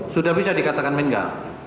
sudah bisa dikatakan meninggal